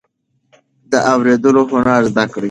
د اوریدلو هنر زده کړئ.